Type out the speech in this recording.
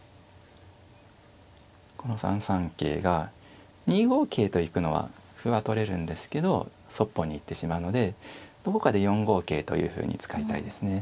この３三桂が２五桂と行くのは歩は取れるんですけどそっぽに行ってしまうのでどこかで４五桂というふうに使いたいですね。